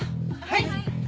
はい。